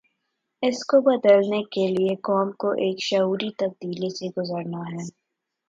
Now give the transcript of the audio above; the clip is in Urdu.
اس کو بدلنے کے لیے قوم کو ایک شعوری تبدیلی سے گزرنا ہے۔